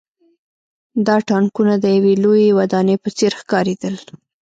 دا ټانکونه د یوې لویې ودانۍ په څېر ښکارېدل